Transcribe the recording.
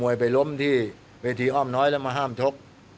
วยไปล้มที่เวทีอ้อมน้อยแล้วมาห้ามชก